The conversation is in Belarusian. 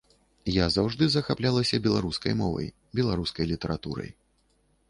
Я заўжды захаплялася беларускай мовай, беларускай літаратурай.